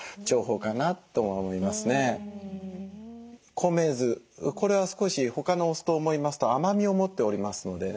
米酢これは少し他のお酢と思いますと甘みを持っておりますのでね